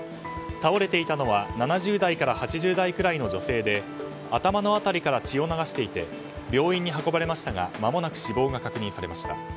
倒れていたのは７０代から８０代くらいの女性で頭の辺りから血を流していて病院に運ばれましたがまもなく死亡が確認されました。